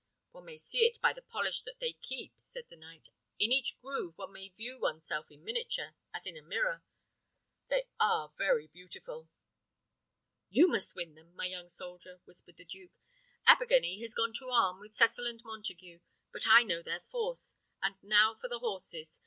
"One may see it by the polish that they keep," said the knight. "In each groove one may view oneself in miniature, as in a mirror. They are very beautiful!" "You must win them, my young soldier," whispered the duke. "Abergany has gone to arm, with Cecil and Montague; but I know their force. And now for the horses.